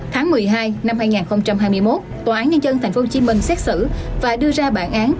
tháng một mươi hai năm hai nghìn hai mươi một tòa án nhân dân tp hcm xét xử và đưa ra bản án